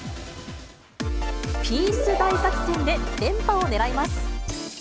ピース大作戦で連覇を狙いま